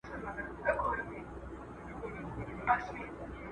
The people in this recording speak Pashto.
په دې لاپو هسی ځان کرارومه